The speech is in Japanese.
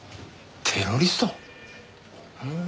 テロリスト？ふん。